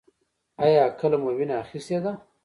ایا کله مو وینه اخیستې ده؟